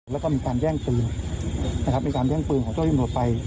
แล้วก็มีการแย่งปืนนะครับมีการแย่งปืนของเจ้าที่ตำรวจไป